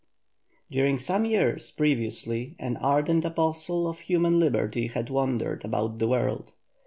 During some years previously an ardent apostle of human liberty had wandered about the world.